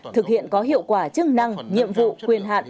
thực hiện có hiệu quả chức năng nhiệm vụ quyền hạn